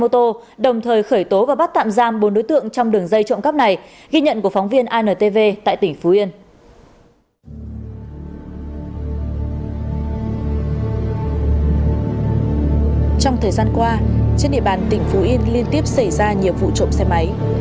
trong thời gian qua trên địa bàn tỉnh phú yên liên tiếp xảy ra nhiều vụ trộm xe máy